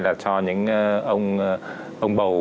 là cho những ông bầu